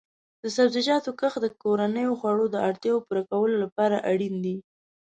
د سبزیجاتو کښت د کورنیو خوړو د اړتیا پوره کولو لپاره اړین دی.